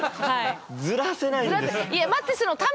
ずらせないんです。